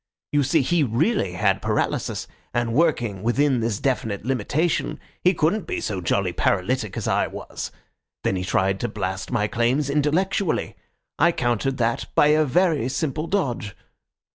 You see, he really had paralysis, and working within this definite limitation, he couldn't be so jolly paralytic as I was. Then he tried to blast my claims intellectually. I countered that by a very simple dodge.